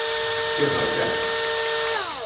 Ṭṭixer kan.